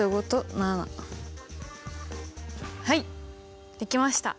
はいできました！